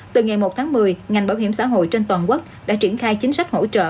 từ ngày một tháng một mươi ngành bảo hiểm xã hội trên toàn quốc đã triển khai chính sách hỗ trợ